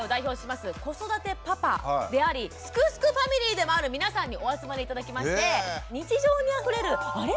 子育てパパであり「すくすくファミリー」でもある皆さんにお集まり頂きまして日常にあふれる「あれ？